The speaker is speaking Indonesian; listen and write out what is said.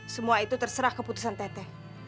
semua itu terserah keputusan teteh